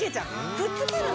くっつけるの？